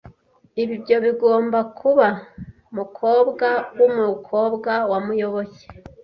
Ibyo bigomba kuba umukobwa wumukobwa wa Muyoboke.